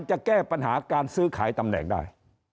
จะแก้ปัญหาการซื้อขายตำแหน่งได้